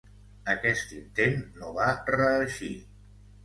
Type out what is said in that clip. Aquest intent no va reeixir.